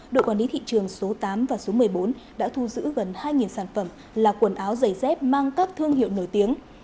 đội quản lý thị trường số tám và số một mươi bốn đã thu giữ gần hai sản phẩm là quần áo giày dép mang các thương hiệu nổi tiếng